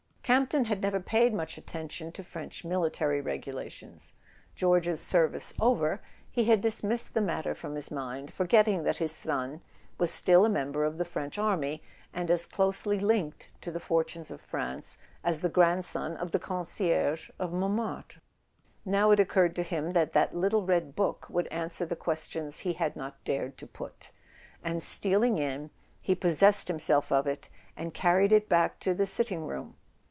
Campton had never paid much attention to French military regulations: George's service over, he had dismissed the matter from his mind, forgetting that his son was still a member of the French army, and as closely linked to the fortunes of France as the grand¬ son of the concierge of Montmartre. Now it occurred to him that that little red book would answer the ques¬ tions he had not dared to put; and stealing in, he pos¬ sessed himself of it and carried it back to the sitting room.